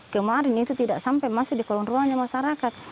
kemarin itu tidak sampai masuk di kolong ruangnya masyarakat